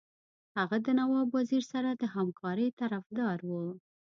هغه د نواب وزیر سره د همکارۍ طرفدار وو.